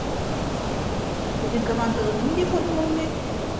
Һеҙҙең командағыҙ ниндәй формала уйнай?